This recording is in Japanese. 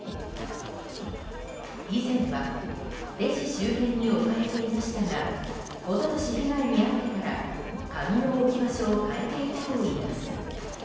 以前はレジ周辺に置かれていましたが一昨年被害に遭ってから鍵の置き場所を変えていたといいます。